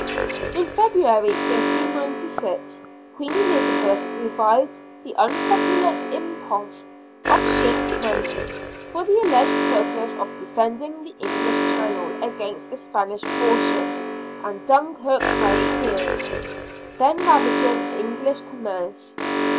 In February, 1596, Queen Elizabeth revived the un popular impost of ship money, for the alleged purpose of defending the English Channel against the Spanish war ships and Dunkirk privateers then ravaging English com merce.